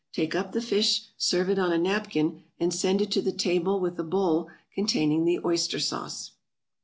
Take up the fish, serve it on a napkin, and send it to the table with a bowl containing the oyster sauce.